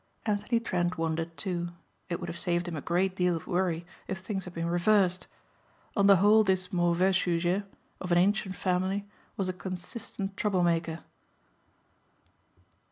Anthony Trent wondered, too. It would have saved him a great deal of worry if things had been reversed. On the whole this mauvais sujet, of an ancient family was a consistent trouble maker.